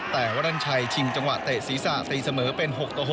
แต่วรรณชัยชิงจังหวะเตะศีรษะตีเสมอเป็น๖ต่อ๖